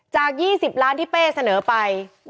๒๐ล้านที่เป้เสนอไป